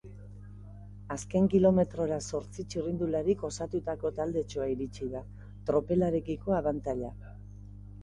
Azken kilometrora zortzi txirrindularik osatutako taldetxoa iritsi da, tropelarekiko abantaila hartuta.